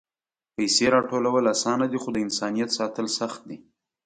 پېسې راټولول آسانه دي، خو د انسانیت ساتل سخت دي.